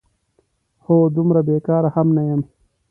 هو، دومره بېکاره هم نه یم؟!